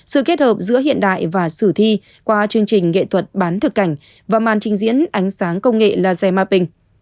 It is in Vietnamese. sự kết hợp giữa hiện đại và sử thi qua chương trình nghệ thuật bán thực cảnh và màn trình diễn ánh sáng công nghệ laser mapping